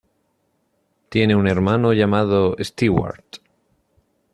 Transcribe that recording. Tiene un hermano llamado, Stewart.